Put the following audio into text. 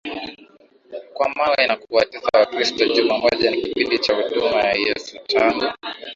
kwa mawe na kuwatesa wakristo Juma moja ni kipindi cha Huduma ya Yesu tangu